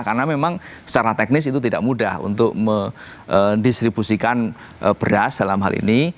karena memang secara teknis itu tidak mudah untuk mendistribusikan beras dalam hal ini